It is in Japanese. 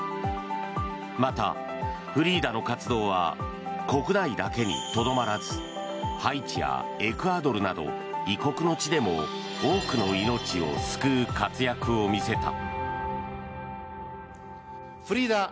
また、フリーダの活動は国内だけにとどまらずハイチやエクアドルなど異国の地でも多くの命を救う活躍を見せた。